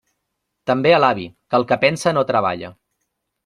També a l'avi, que el que pensa no treballa.